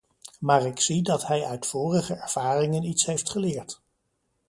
Maar ik zie dat hij uit vorige ervaringen iets heeft geleerd.